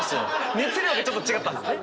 熱量がちょっと違ったんですね。